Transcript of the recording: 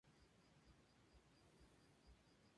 La película tuvo una excelente acogida por parte de la crítica.